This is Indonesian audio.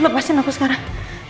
lepasin aku sekarang